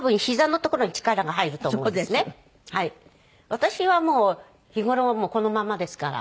私はもう日頃もこのままですから。